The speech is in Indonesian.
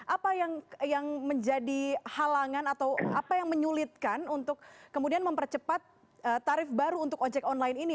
apa yang menjadi halangan atau apa yang menyulitkan untuk kemudian mempercepat tarif baru untuk ojek online ini